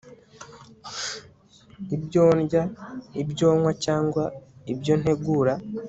Ibyo ndya ibyo nywa cyangwa ibyo ntegura